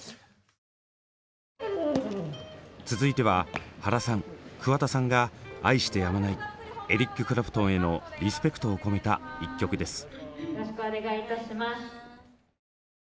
続いては原さん桑田さんが愛してやまないエリック・クラプトンへのリスペクトを込めた一曲です。